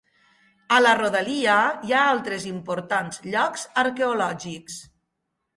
A la rodalia hi ha altres importants llocs arqueològics.